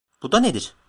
Bu da nedir?